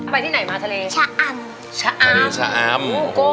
เคยมีใจมาทะเลชะอำชะอำ